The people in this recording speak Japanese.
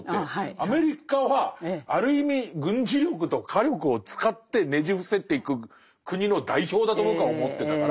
アメリカはある意味軍事力と火力を使ってねじ伏せていく国の代表だと僕は思ってたから。